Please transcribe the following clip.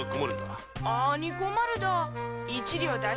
なに困るだ。